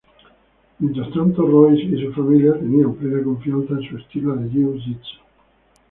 Mientras tanto, Royce y su familia tenían plena confianza en su estilo de jiu-jitsu.